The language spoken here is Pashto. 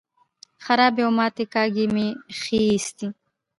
خرابې او ماتې کاږي مې ښې ایسي.